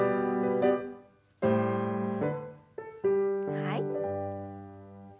はい。